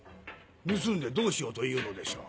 盗んでどうしようというのでしょう。